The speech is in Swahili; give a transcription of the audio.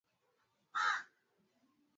Dhuluma kwa jamii haina mazuri